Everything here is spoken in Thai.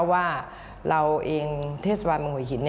ว่าเราเองเทศวันหัวหิน